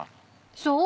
［そう。